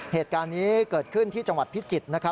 เหตุการณ์นี้เกิดขึ้นที่จังหวัดพิจิตร